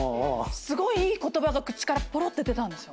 すごいいい言葉が口からぽろって出たんですよ。